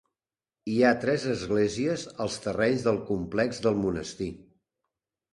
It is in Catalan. Hi ha tres esglésies als terrenys del complex del monestir.